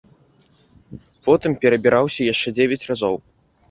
Потым перабіраўся яшчэ дзевяць разоў.